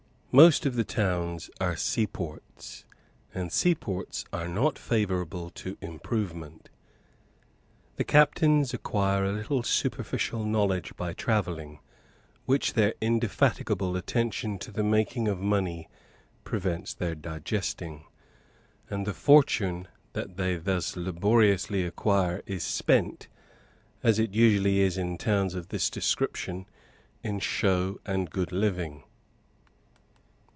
Most of the towns are seaports, and seaports are not favourable to improvement. The captains acquire a little superficial knowledge by travelling, which their indefatigable attention to the making of money prevents their digesting; and the fortune that they thus laboriously acquire is spent, as it usually is in towns of this description, in show and good living.